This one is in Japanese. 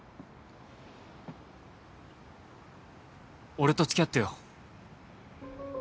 俺とつきあってよ。